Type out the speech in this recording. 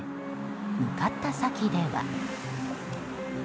向かった先では。